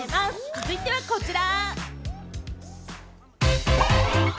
続いてはこちら。